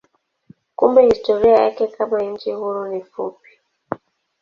Kumbe historia yake kama nchi huru ni fupi.